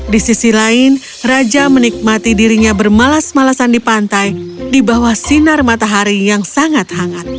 di sisi lain raja menikmati dirinya bermalas malasan di pantai di bawah sinar matahari yang sangat hangat